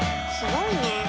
すごいね。